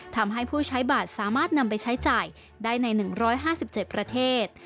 ทำให้ผู้ใช้บัตรสามารถนำไปใช้จ่ายได้ใน๑๕๗ประเทศ